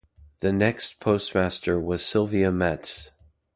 The next postmaster was Sylvia Metz.